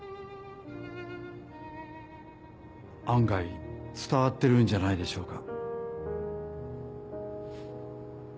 案外伝わってるんじゃないでしょうか。